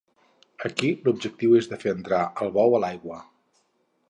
Aquí l'objectiu és de fer entrar el bou a l'aigua.